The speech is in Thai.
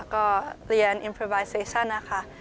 ก็เรียนอิมโปรไบซาชั่นค่ะ